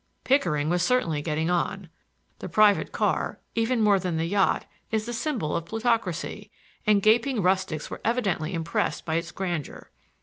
Pickering was certainly getting on. The private car, even more than the yacht, is the symbol of plutocracy, and gaping rustics were evidently impressed by its grandeur.